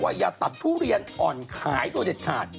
ว่าอย่าตัดดูเลียนอ่อนขายตัวเด็ดขาด